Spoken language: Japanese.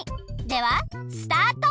ではスタート！